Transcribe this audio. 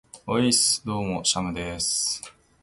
ｵｨｨｨｨｨｨｯｽ!どうもー、シャムでーす。